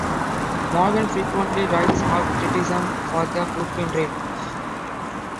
Morgan frequently writes art criticism for the Brooklyn Rail.